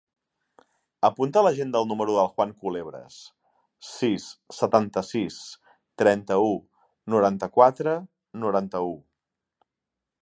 Apunta a l'agenda el número del Juan Culebras: sis, setanta-sis, trenta-u, noranta-quatre, noranta-u.